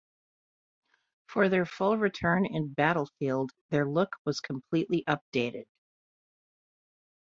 For their full return in "Battlefield", their look was completely updated.